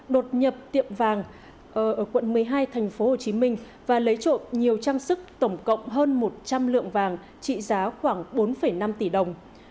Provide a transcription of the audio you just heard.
đột nhập tiệm vàng ở quận một mươi hai thành phố hồ chí minh và lấy trộm nhiều trang sức tổng cộng hơn một trăm linh lượng vàng trị giá khoảng bốn năm tỷ đồng